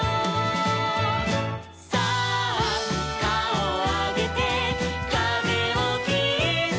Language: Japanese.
「さあかおをあげてかぜをきって」